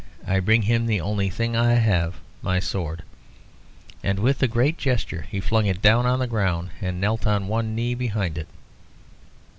I bring him the only thing I have my sword." And with a great gesture he flung it down on the ground, and knelt on one knee behind it.